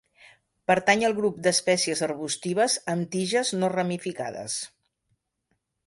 Pertany al grup d'espècies arbustives amb tiges no ramificades.